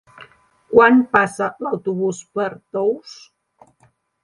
Quan passa l'autobús per Tous?